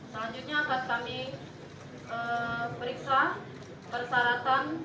selanjutnya akan kami periksa persyaratan